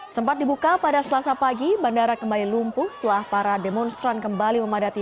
sempat dibuka pada selasa pagi bandara kembali lumpuh setelah para demonstran kembali memadati